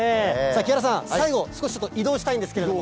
木原さん、最後、少し移動したいんですけれども。